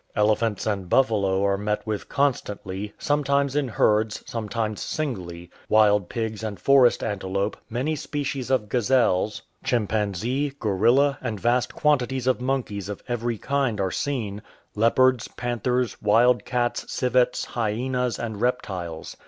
" Elephants and buftalo are met with constantly, sometimes in herds, sometimes singly; wild pigs and forest antelope, many species of gazelles, 174 GORILLAS chimpanzee, gorilla, and vast quantities of monkeys of every kind are seen ; leopards, panthers, wild cats, civets, hyenas, and reptiles.